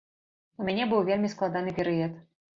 У мяне быў вельмі складаны перыяд.